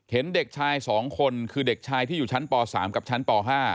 เห็นเด็กชาย๒คนคือเด็กชายที่อยู่ชั้นป๓กับชั้นป๕